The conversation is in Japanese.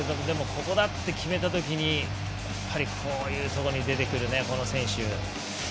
ここだ！って決めたときにこういうところに出てくるこの選手。